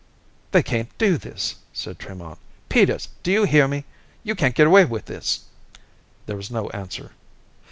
"They can't do this!" said Tremont. "Peters! Do you hear me? You can't get away with this!" There was no answer.